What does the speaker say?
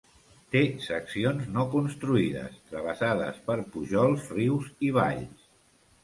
Té seccions no construïdes, travessades per pujols, rius i valls.